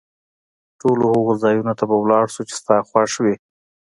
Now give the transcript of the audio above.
ټولو هغو ځایونو ته به ولاړ شو، چي ستا خوښ وي.